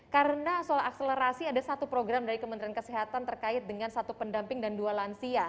karena soal akselerasi ada satu program dari kementerian kesehatan terkait dengan satu pendamping dan dua lansia